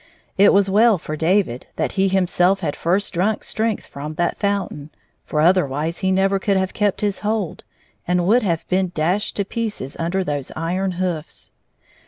It was well for David that he himself had first drunk strength from that fountain, for otherwise he never could have kept his hold, and would have been dashed to pieces under those iron hoofs.